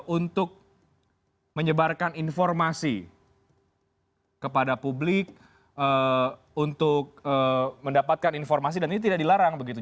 untuk menyebarkan informasi kepada publik untuk mendapatkan informasi dan ini tidak dilarang begitu